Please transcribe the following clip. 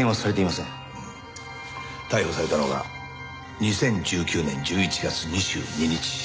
うん逮捕されたのが２０１９年１１月２２日。